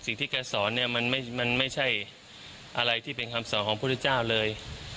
แกสอนเนี่ยมันไม่ใช่อะไรที่เป็นคำสอนของพุทธเจ้าเลย